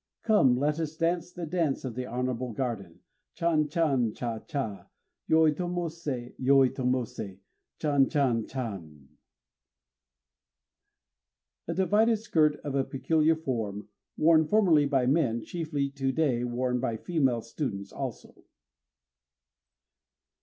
_ Come! let us dance the Dance of the Honorable Garden! Chan chan! Cha cha! Yoitomosé, Yoitomosé! Chan chan chan! A divided skirt of a peculiar form, worn formerly by men chiefly, to day worn by female students also.